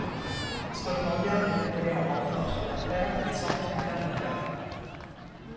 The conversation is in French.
Scotland Yard est appelé en renfort sur l'affaire, mais sans résultats notables.